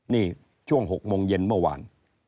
นี่ช่วง๖โมงเย็นเมื่อวาน